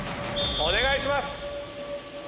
お願いします。